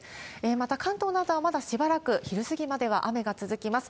また関東などはまだしばらく昼過ぎまでは雨が続きます。